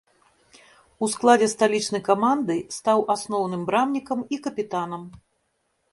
У складзе сталічнай каманды стаў асноўным брамнікам і капітанам.